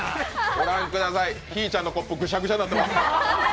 ご覧くださいひぃちゃんのコップ、ぐしゃぐしゃになってます。